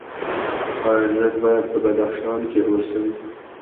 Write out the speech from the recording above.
ایا زه باید په بدخشان کې اوسم؟